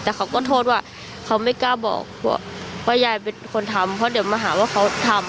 แต่เขาก็โทษว่าเขาไม่กล้าบอกว่ายายเป็นคนทำเพราะเดี๋ยวมาหาว่าเขาทำ